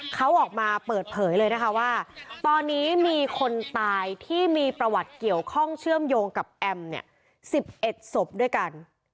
เขาออกมาเปิดเผยเลยนะคะว่าตอนนี้มีคนตายที่มีประวัติเกี่ยวข้องเชื่อมโยงกับแอมเนี่ย๑๑ศพด้วยกัน